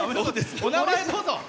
お名前をどうぞ。